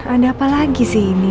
ada apa lagi sih ini